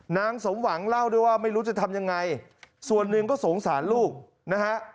นางสมหวังเล่าด้วยว่าไม่รู้จะทำยังไงส่วนหนึ่งก็สงสารลูกนะฮะ